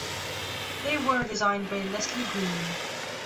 They were designed by Leslie Green.